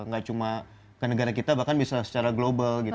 nggak cuma ke negara kita bahkan bisa secara global gitu